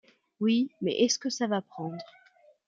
Oui, mais est-ce que ça va prendre ?